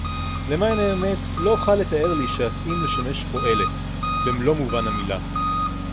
למען האמת, לא אוכל לתאר לי שאתאים לשמש “פועלת”, במלוא מובן המלה.